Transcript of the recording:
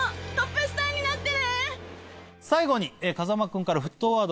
最後に風間君から沸騰ワードが。